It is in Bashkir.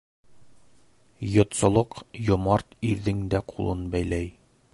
Йотсолоҡ йомарт ирҙең дә ҡулын бәйләй.